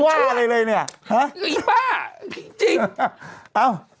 เป็นการกระตุ้นการไหลเวียนของเลือด